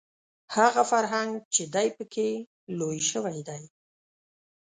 هغه فرهنګ چې دی په کې لوی شوی دی